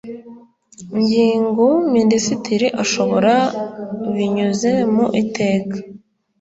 ngingo minisitiri ashobora binyuze mu iteka